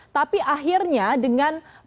tapi akhirnya dengan bagaimana